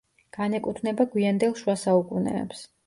განეკუთვნება გვიანდელ შუა საუკუნეებს.